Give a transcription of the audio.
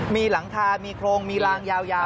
มีหลังคามีโครงมีลางยาว